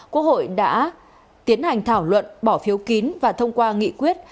quốc hội đã tiến hành thảo luận bỏ phiếu kín và thông qua nghị quyết